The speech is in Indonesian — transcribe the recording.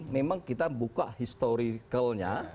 memang kita buka historicalnya